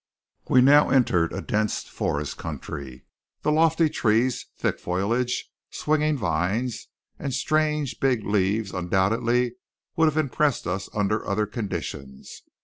We now entered a dense forest country. The lofty trees, thick foliage, swinging vines, and strange big leaves undoubtedly would have impressed us under other conditions.